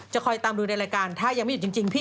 จะคอยตามดูในรายการถ้ายังไม่อยู่จริง